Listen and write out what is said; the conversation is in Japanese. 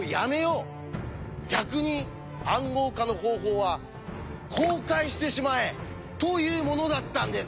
逆に「暗号化の方法」は公開してしまえ！というものだったんです。